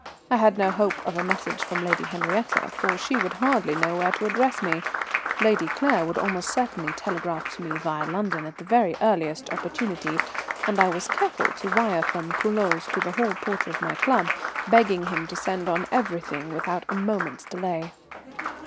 I had no hope of a message from Lady Henriette, for she would hardly know where to address me. Lady Claire would almost certainly telegraph to me via London at the very earliest opportunity, and I was careful to wire from Culoz to the hall porter of my club, begging him to send on everything without a moment's delay.